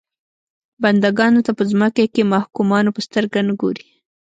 بنده ګانو ته په ځمکه کې محکومانو په سترګه نه ګوري.